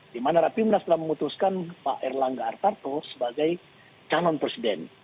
dimana rapimna sudah memutuskan pak erlangga artarto sebagai calon presiden